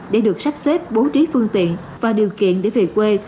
để được sắp xếp bố trí phương tiện và điều kiện để về quê